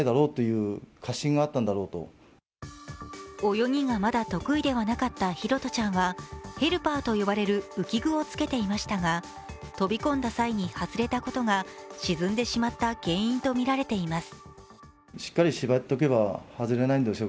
泳ぎがまだ得意ではなかった拓杜ちゃんはヘルパーと呼ばれる浮き具を着けていましたが飛び込んだ際に外れたことが沈んでしまった原因とみられています。